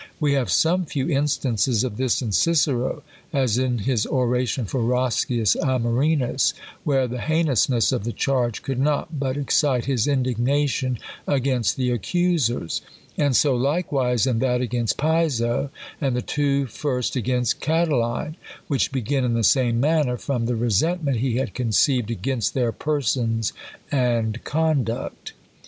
We have some few instances of this in Cicero ; as in his oration for Roscius Amerinus> where the heinousness of the charge could not but ex cite his indignation against the accusers. And so like wise, in that against Piso^ and the two first against Ca tiline, which begin in the same manner, from the resent ment he had conceived against their persons and conduct.